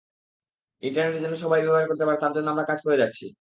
Internet যেন সবাই ব্যবহার করতে পারে তার জন্য আমরা কাজ করে যাচ্ছি।